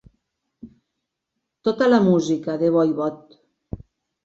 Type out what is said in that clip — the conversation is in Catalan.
Tota la música de Voivod.